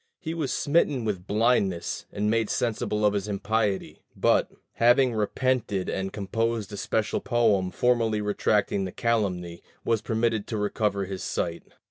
He was smitten with blindness, and made sensible of his impiety; but, having repented and composed a special poem formally retracting the calumny, was permitted to recover his sight.